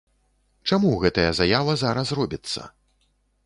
Чаму гэтая заява зараз робіцца?